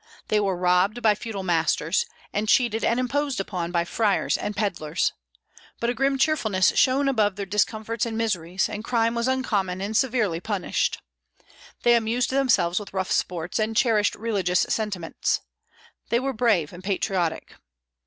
They were robbed by feudal masters, and cheated and imposed upon by friars and pedlers; but a grim cheerfulness shone above their discomforts and miseries, and crime was uncommon and severely punished. They amused themselves with rough sports, and cherished religious sentiments. They were brave and patriotic.